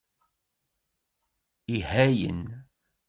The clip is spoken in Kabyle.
Ihayen.